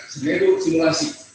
sebenarnya itu simulasi